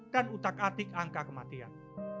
dan utak atik angka kematian